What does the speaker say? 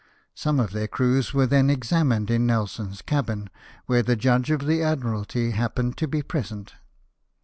Some of their crews were then examined in Nelson's cabin, where the judge of the Admiralty happened to be present.